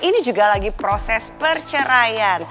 ini juga lagi proses perceraian